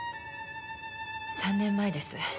３年前です。